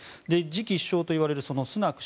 次期首相といわれるスナク